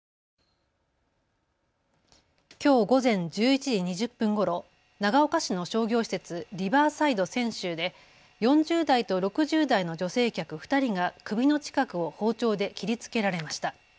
きょう午前１１時２０分ごろ、長岡市の商業施設、リバーサイド千秋で４０代と６０代の女性客２人が首の近くを包丁で切りつけられました。